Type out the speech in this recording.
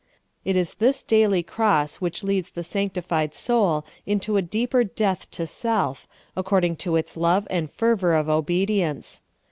It is this daily cross which leads the sanctified soul into a deeper death to self, according to its love and fervor of obedience.